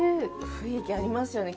雰囲気ありますよね。